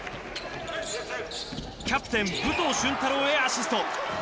キャプテン武藤俊太朗へアシスト。